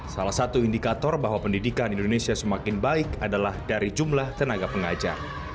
salah satu indikator bahwa pendidikan indonesia semakin baik adalah dari jumlah tenaga pengajar